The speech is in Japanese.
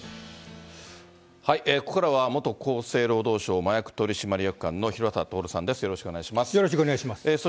ここからは、元厚生労働省麻薬取締官の廣畑徹さんです。